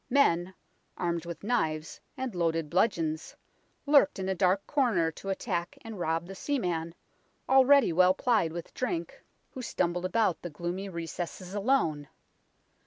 Men, armed with knives and loaded bludgeons, lurked in dark corners to attack and rob the seaman, already well plied with drink, who stumbled WAPPING HIGH STREET 125 about the gloomy recesses alone.